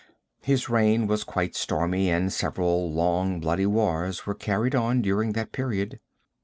His reign was quite stormy and several long, bloody wars were carried on during that period.